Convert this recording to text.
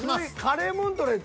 カレーモントレー